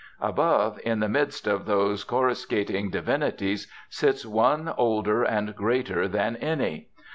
Above, in the midst of those coruscating divinities, sits one older and greater than any.